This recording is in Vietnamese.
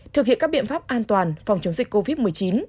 thực hiện các biện pháp an toàn phòng chống dịch covid một mươi chín